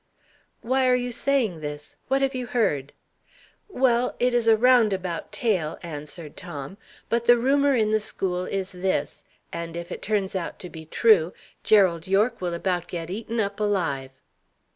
"Why are you saying this? What have you heard?" "Well, it is a roundabout tale," answered Tom. "But the rumour in the school is this and if it turns out to be true, Gerald Yorke will about get eaten up alive."